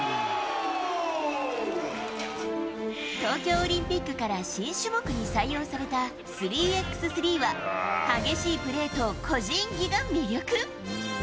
東京オリンピックから新種目に採用された３ｘ３は、激しいプレーと個人技が魅力。